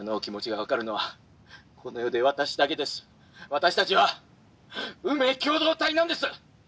私たちは運命共同体なんです！」。